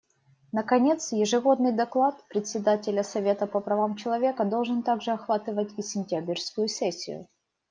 Наконец, ежегодный доклад Председателя Совета по правам человека должен также охватывать и сентябрьскую сессию.